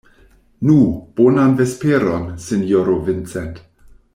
Nu, bonan vesperon, sinjoro Vincent.